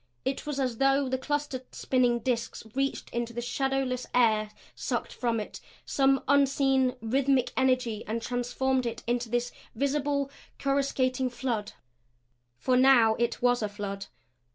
It was as though the clustered, spinning disks reached into the shadowless air, sucked from it some unseen, rhythmic energy and transformed it into this visible, coruscating flood. For now it was a flood.